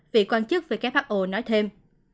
vị quan chức who nói thêm